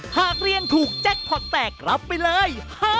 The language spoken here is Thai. หากเรียนถูกแจ็คพอร์ตแตกรับไปเลย